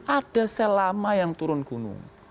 ada sel lama yang turun gunung